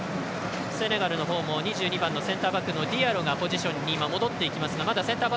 セネガルのほうも２２番のセンターバックのディアロがポジションに戻っていきます。